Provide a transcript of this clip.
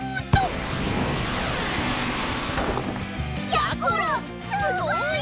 やころすごい！